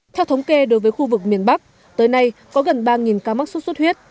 theo thống kê đối với khu vực miền bắc tới nay có gần ba ca mắc sốt xuất huyết